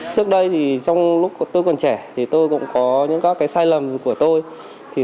trước đây trong lúc tôi còn trẻ tôi cũng có những sai lầm của tôi